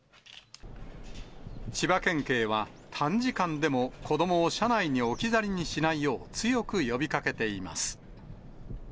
千葉県警は短時間でも、子どもを車内に置き去りにしないよう、強く呼びかけています。